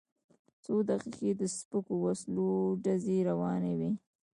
څو دقیقې د سپکو وسلو ډزې روانې وې.